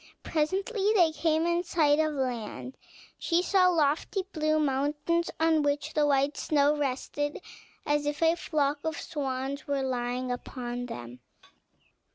Presently they came in sight of land; she saw lofty blue mountains, on which the white snow rested as if a flock of swans were lying upon them.